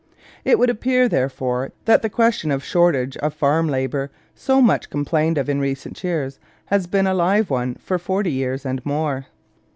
It would appear, therefore, that the question of shortage of farm labour, so much complained of in recent years, has been a live one for forty years and more.